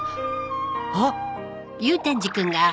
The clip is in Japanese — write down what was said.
あっ！